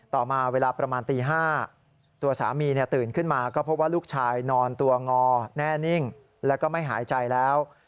ต่อมาเวลาประมาณตี๕ตัวสามีตื่นขึ้นมาก็พบว่าลูกชายนอนตัวงอแน่นิ่งแล้วก็ไม่หายใจแล้ว